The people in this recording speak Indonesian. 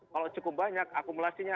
kalau cukup banyak akumulasinya